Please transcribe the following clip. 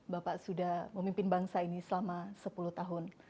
bapak sudah memimpin bangsa ini selama sepuluh tahun